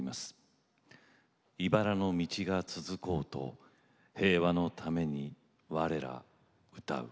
いばらの道が続こうと平和のために我ら歌う。